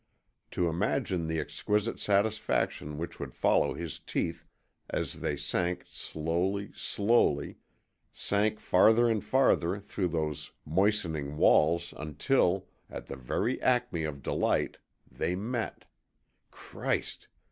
To imagine the exquisite satisfaction which would follow his teeth as they sank slowly, slowly sank farther and farther through those moistening walls until, at the very acme of delight, they met! Christ!